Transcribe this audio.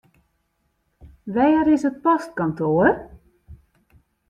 Wêr is it postkantoar?